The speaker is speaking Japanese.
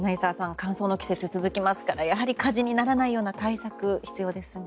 乾燥の季節、続きますからやはり火事にならないような対策必要ですね。